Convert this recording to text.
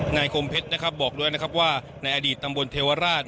คมเพชรนะครับบอกด้วยนะครับว่าในอดีตตำบลเทวราช